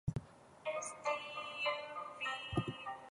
He lives and works in Maastricht.